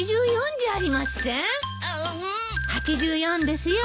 ８４ですよ